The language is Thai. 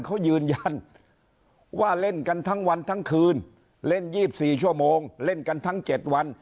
เขายืนยันว่าเล่นกันทั้งวันทั้งคืนเล่น๒๔ชั่วโมงเล่นกันทั้ง๗วัน